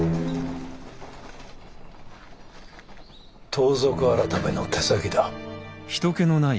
盗賊改の手先だ。